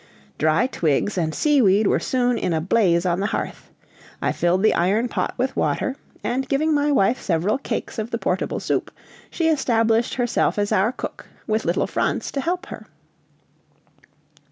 Dry twigs and seaweed were soon in a blaze on the hearth; I filled the iron pot with water, and giving my wife several cakes of the portable soup, she established herself as our cook, with little Franz to help her.